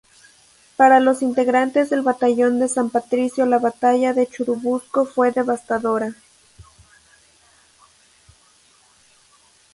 Para los integrantes del batallón de San Patricio la batalla de Churubusco fue devastadora.